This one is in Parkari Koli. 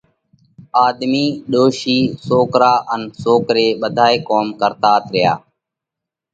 آۮمِي، ڏوشي، سوڪرا ان سوڪري ٻڌائي ڪوم ڪرتات ريا۔